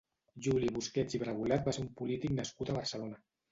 Juli Busquets i Bragulat va ser un polític nascut a Barcelona.